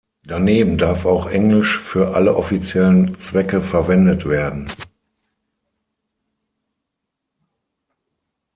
Daneben darf auch Englisch für alle offiziellen Zwecke verwendet werden.